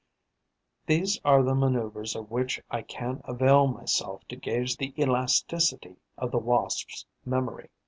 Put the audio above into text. These are the manoeuvres of which I can avail myself to gauge the elasticity of the Wasp's memory.